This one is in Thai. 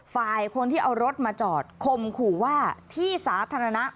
ฝ่ายคนที่เอารถมาจอดคมขู่ว่าที่สาธารณะ